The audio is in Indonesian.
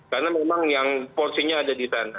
karena memang yang porsinya ada di sana